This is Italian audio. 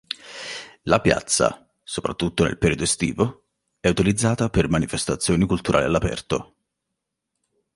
La piazza, soprattutto nel periodo estivo, è utilizzata per manifestazioni culturali all'aperto.